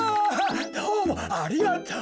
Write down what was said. どうもありがとう。